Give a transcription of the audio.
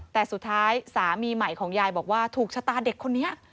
แต่สุดท้ายสามีใหม่ของยายบอกว่าถูกชะตาเด็กคนนี้